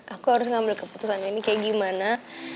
aku harus ngambil keputusan ini kayak gimana